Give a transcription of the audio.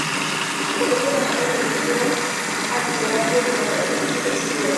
Por ello la Mano renunció al liderazgo del Mandarín y le exilió.